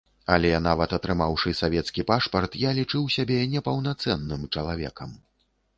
Але нават атрымаўшы савецкі пашпарт, я лічыў сябе непаўнацэнным чалавекам.